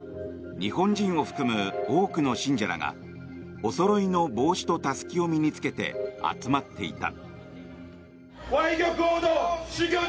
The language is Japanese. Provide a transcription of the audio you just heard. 旧統一教会の本拠地、韓国では日本人を含む多くの信者らがおそろいの帽子とたすきを身に着けて集まっていた。